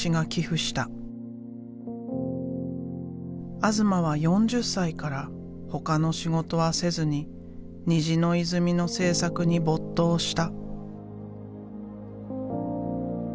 東は４０歳からほかの仕事はせずに「虹の泉」の制作に没頭した。